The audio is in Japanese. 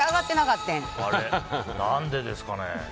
何でですかね。